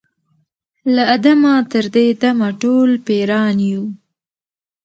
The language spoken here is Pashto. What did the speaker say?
له آدمه تر دې دمه ټول پیران یو